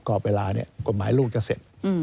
กรอบเวลากฎหมายลูกจะเสร็จ